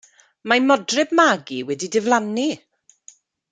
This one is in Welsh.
Mae Modryb Magi wedi diflannu!